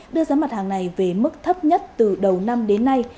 đưa giá mặt hàng này về mức thấp nhất từ đầu năm đến nay